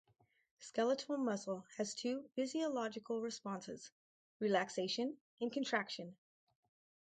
Skeletal muscle has two physiological responses: relaxation and contraction.